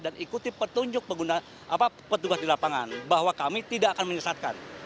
dan ikuti petunjuk petugas di lapangan bahwa kami tidak akan menyesatkan